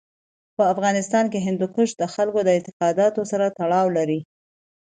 په افغانستان کې هندوکش د خلکو د اعتقاداتو سره تړاو لري.